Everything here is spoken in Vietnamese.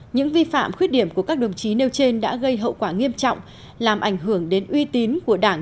những vi phạm khuyết điểm của các đồng chí nêu trên đã gây hậu quả nghiêm trọng làm ảnh hưởng đến uy tín của đảng